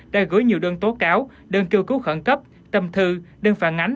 đã gửi nhiều đơn tố cáo đơn kêu cứu khẩn cấp tâm thư đơn phản ánh